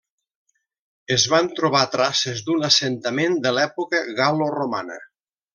Es van trobar traces d'un assentament de l'època gal·loromana.